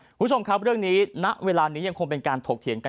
คุณผู้ชมครับเรื่องนี้ณเวลานี้ยังคงเป็นการถกเถียงกัน